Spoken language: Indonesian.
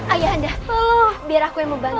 ayah anda biar aku yang mau bantu